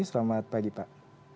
selamat pagi pak